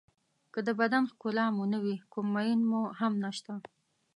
که د بدن ښکلا مو نه وي کوم مېن مو هم نشته.